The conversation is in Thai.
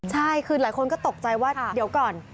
ใช่คือหลายคนก็ตกใจว่าเดี๋ยวก่อน